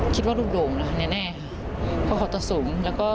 คิดว่ารูปโดรงแน่เยอะแน่เขาต้องสูง